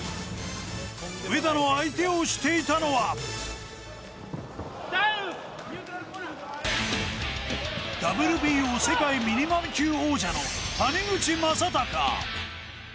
上田の相手をしていたのはＷＢＯ世界ミニマム級王者の谷口将隆。